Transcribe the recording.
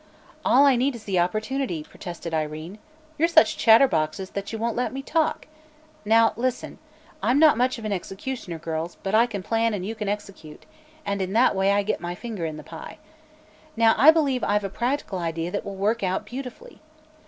"All I need is the opportunity," protested Irene. "You're such chatterboxes that you won't let me talk! Now listen. I'm not much of an executioner, girls, but I can plan and you can execute, and in that way I get my finger in the pie. Now, I believe I've a practical idea that will work out beautifully.